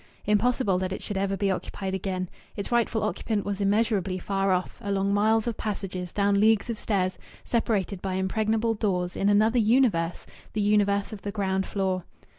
Impossible that it should ever be occupied again! Its rightful occupant was immeasurably far off, along miles of passages, down leagues of stairs, separated by impregnable doors, in another universe, the universe of the ground floor.